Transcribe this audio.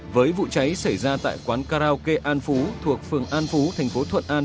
với vụ cháy xảy ra tại quán karaoke an phú thuộc phường an phú thành phố thuận an